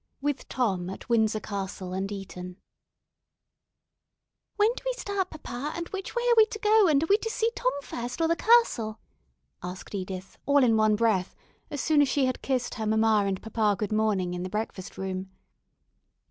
WITH TOM AT WINDSOR CASTLE AND ETON "WHEN do we start, papa, and which way are we to go, and are we to see Tom first, or the castle?" asked Edith, all in one breath, as soon as she had kissed her mamma and papa good morning in the breakfast room.